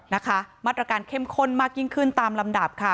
นะคะมาตรการเข้มข้นมากยิ่งขึ้นตามลำดับค่ะ